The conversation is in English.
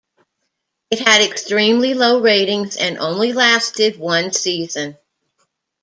It had extremely low ratings and only lasted one season.